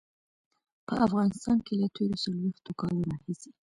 په افغانستان کې له تېرو څلويښتو کالو راهيسې.